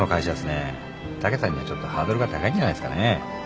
武さんにはちょっとハードルが高いんじゃないすかね。